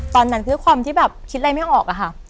ตอนนั้นคือความที่แบบคิดอะไรไม่ออกอะค่ะ